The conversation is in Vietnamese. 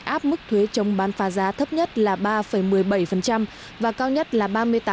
áp mức thuế chống bán phá giá thấp nhất là ba một mươi bảy và cao nhất là ba mươi tám ba mươi bốn